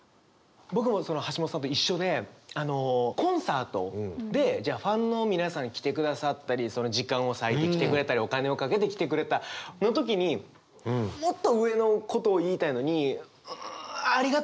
僕も橋本さんと一緒でコンサートでじゃあファンの皆さんが来てくださったり時間を割いて来てくれたりお金をかけて来てくれたの時にもっと上のことを言いたいのに「ありがとう」で終わっちゃうんですよね。